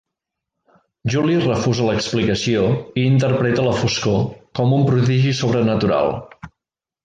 Juli refusa l'explicació i interpreta la foscor, com un prodigi sobrenatural.